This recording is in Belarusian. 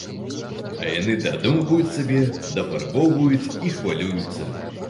А яны дадумваюць сабе, дафарбоўваюць і хвалююцца.